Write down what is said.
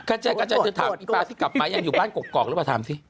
ใจกระจายจะถามอีปลาที่กลับมายังอยู่บ้านกรอกหรือเปล่าถามสิ